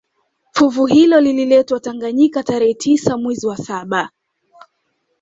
Fuvu hilo lililetwa Tanganyika tarehe tisa mwezi wa saba